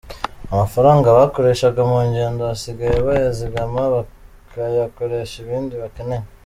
Amafaranga bakoreshaga mu ngendo basigaye bayazigama, bakayakoresha ibindi bakeneye.